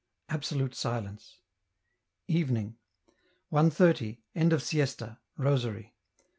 Absolute Silence. Evening 1.30. End of Siesta. Rosary.